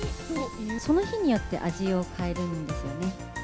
その日によって味を変えるんですよね。